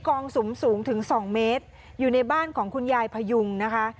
กองสุมสูงถึงสองเมตรอยู่ในบ้านของคุณยายพยุงนะคะ